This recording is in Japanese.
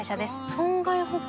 損害保険？